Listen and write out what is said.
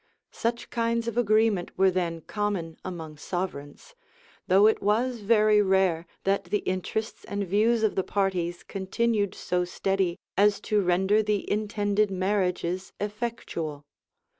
Such kinds of agreement were then common among sovereigns; though it was very rare that the interests and views of the parties continued so steady as to render the intended marriages effectual.